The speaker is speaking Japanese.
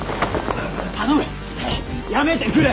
頼むやめてくれ！